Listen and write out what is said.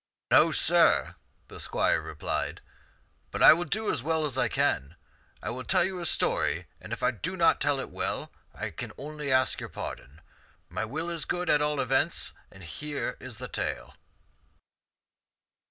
'* "No, sir," the squire replied, "but I will do as well as I can. I will tell you a story, and if I do not 1 64 ^^^ ^quite'5 ZckU tell it well, I can only ask your pardon. My will is good, at all events, and here is the tale."